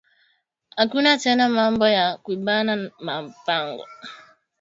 Akuna tena mambo ya kwibana ma mpango